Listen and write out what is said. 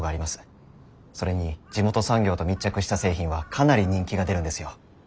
それに地元産業と密着した製品はかなり人気が出るんですよ。